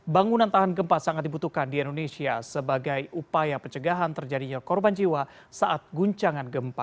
bangunan tahan gempa sangat dibutuhkan di indonesia sebagai upaya pencegahan terjadinya korban jiwa saat guncangan gempa